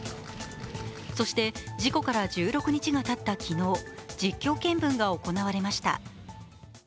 そして、事故から１６日がたった昨日、実況検分が行われました。